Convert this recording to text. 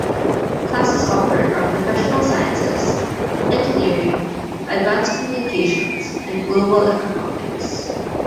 Classes offered are Professional Sciences, Engineering, Advanced Communications, and Global Economics.